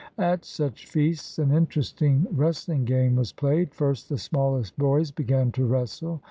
At such feasts an interesting wres tling game was played. First the smallest boys began to wrestle.